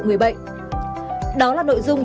người bệnh đó là nội dung